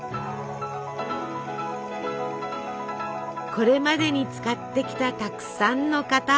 これまでに使ってきたたくさんの型。